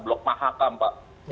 blok mahakam pak